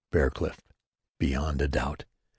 Bear Cliff beyond a doubt!